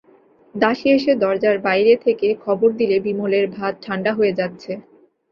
দাসী এসে দরজার বাইরে থেকে খবর দিলে বিমলের ভাত ঠাণ্ডা হয়ে যাচ্ছে।